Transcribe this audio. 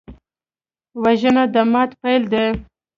وژنه د ماتم پیل دی